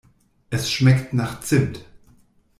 Es schmeckt nach Zimt.